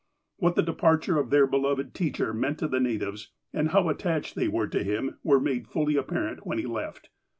What the departure of their beloved teacher meant to the natives, and how attached they were to him, were made fully apparent when he left.